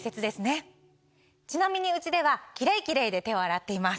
ちなみにうちではキレイキレイで手を洗っています。